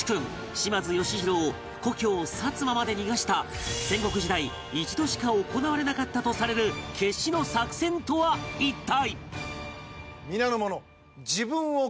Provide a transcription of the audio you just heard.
島津義弘を故郷薩摩まで逃がした戦国時代一度しか行われなかったとされる決死の作戦とは一体！？